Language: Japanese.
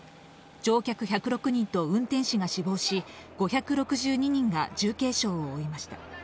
乗客１０６人と運転士が死亡し、５６２人が重軽傷を負いました。